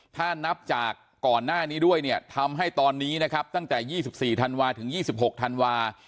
ถ้านับจากก่อนหน้านี้ด้วยเนี่ยทำให้ตอนนี้นะครับตั้งแต่๒๔ธันวาถึง๒๖ธันวา